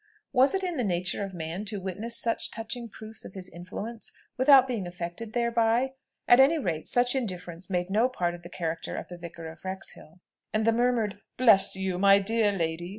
Was it in the nature of man to witness such touching proofs of his influence without being affected thereby? At any rate, such indifference made no part of the character of the Vicar of Wrexhill, and the murmured "Bless you, my dear lady!"